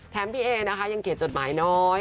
พี่เอนะคะยังเขียนจดหมายน้อย